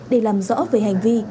để làm rõ về hành vi